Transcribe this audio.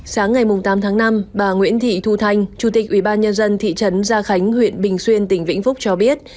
sáng ngày tám tháng năm bà nguyễn thị thu thanh chủ tịch ủy ban nhân dân thị trấn gia khánh huyện bình xuyên tỉnh vĩnh phúc cho biết